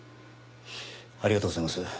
ありがとうございます。